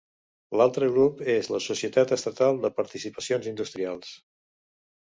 L'altre grup és la Societat Estatal de Participacions Industrials.